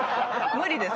無理です。